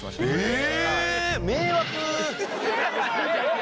え！